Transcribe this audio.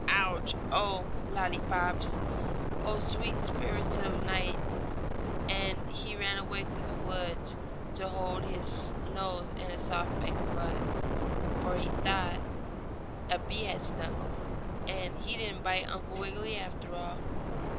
Ouch! Oh, lollypops! Oh, sweet spirits of nitre!" And away he ran through the woods to hold his nose in a soft bank of mud, for he thought a bee had stung him. And so he didn't bite Uncle Wiggily after all.